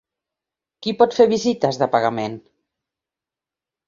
Qui pot fer visites de pagament?